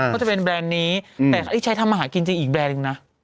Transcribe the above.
ก็จะเป็นแบรนด์นี้แต่ใช้ทำมาหากินจริงอีกแบรนด์หนึ่งนะ